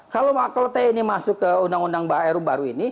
kalau tni masuk ke undang undang baru ini